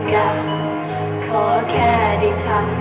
ขอบคุณทุกเรื่องราว